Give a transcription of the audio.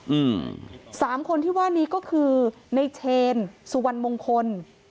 อืมสามคนที่ว่านี้ก็คือในเชนสุวรรณมงคล